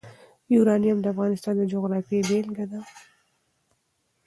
یورانیم د افغانستان د جغرافیې بېلګه ده.